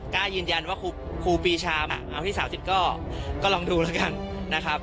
กล้ายืนยันว่าครูปีชาเอาที่๓๐ก็ลองดูแล้วกันนะครับ